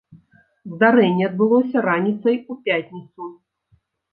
Здарэнне адбылося раніцай у пятніцу.